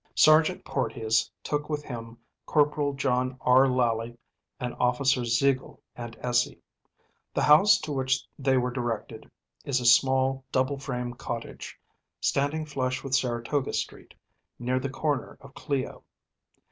Sergeant Porteus took with him Corporal John R. Lally and Officers Zeigel and Essey. The house to which they were directed is a small, double frame cottage, standing flush with Saratoga Street, near the corner of Clio.